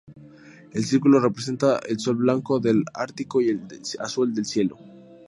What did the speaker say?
El círculo representa el sol blanco del Ártico y el azul, el cielo.